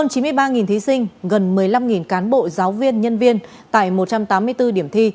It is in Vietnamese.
hơn chín mươi ba thí sinh gần một mươi năm cán bộ giáo viên nhân viên tại một trăm tám mươi bốn điểm thi